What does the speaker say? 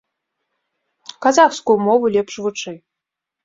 Казахскую мову лепш вучы.